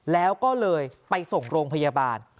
แล้วก็เลยไปส่งโรงพยาบาล